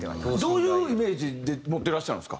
どういうイメージ持ってらっしゃるんですか？